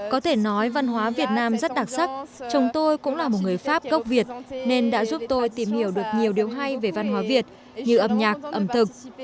có thể nói văn hóa việt nam rất đặc sắc chồng tôi cũng là một người pháp gốc việt nên đã giúp tôi tìm hiểu được nhiều điều hay về văn hóa việt như âm nhạc ẩm thực